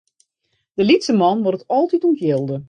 De lytse man moat it altyd ûntjilde.